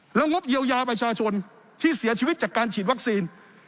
แล้วงบเยียวยาประชาชนที่เสียชีวิตจากการฉีดวัคซีน